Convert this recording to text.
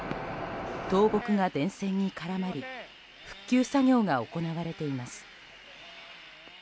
倒木が電線に絡まり復旧作業が行われています。